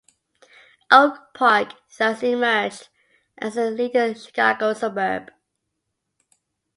Oak Park thus emerged as a leading Chicago suburb.